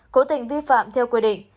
cố tình vi phạm theo quy định